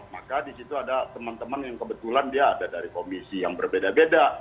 maka di situ ada teman teman yang kebetulan dia ada dari komisi yang berbeda beda